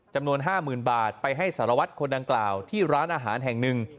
จำนวน๕๐๐๐บาทไปให้สารวัตรคนดังกล่าวที่ร้านอาหารแห่งหนึ่ง